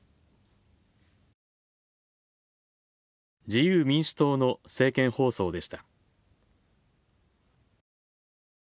自由民主党の政見放送でした。